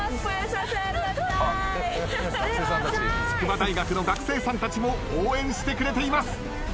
筑波大学の学生さんたちも応援してくれています。